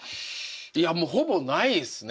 いやもうほぼないですね。